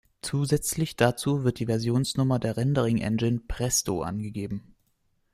Zusätzlich dazu wird die Versionsnummer der Rendering-Engine Presto angegeben.